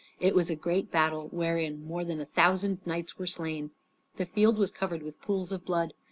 It was a great battle, wherein more than a thousand knights were slain. The field was covered with pools of blood.